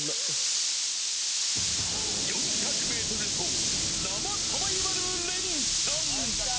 ４００ｍ走生サバイバルレンチャン。